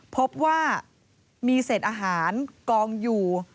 พบว่ามีเศษอาหารกองอยู่